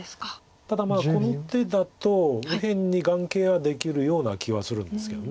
ただこの手だと右辺に眼形はできるような気はするんですけど。